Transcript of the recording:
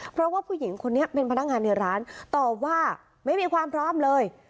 เพราะว่าผู้หญิงคนนี้เป็นพนักงานในร้านตอบว่าไม่มีความพร้อมเลย